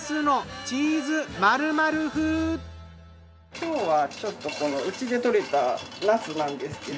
今日はちょっとこのうちで採れたなすなんですけど。